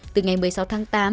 từ ngày một mươi sáu tháng tám